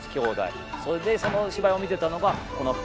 それでその芝居を見てたのがこの２人を見ていく。